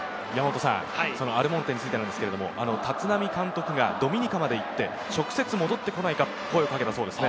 アルモンテについて立浪監督がドミニカまで行って直接戻って来ないか？と声をかけたそうです。